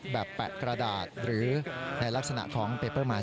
แบบแปะกระดาษหรือในลักษณะของเบปเปิ้ลนะครับ